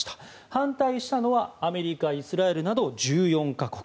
反対したのはアメリカイスラエルなど１４か国。